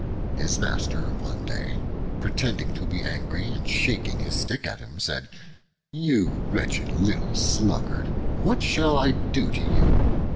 His master one day, pretending to be angry and shaking his stick at him, said, "You wretched little sluggard! what shall I do to you?